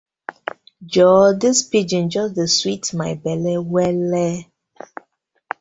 Joor dis pidgin just dey sweet my belle wella.